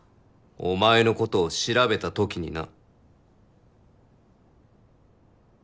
お前のことを調べたときにな。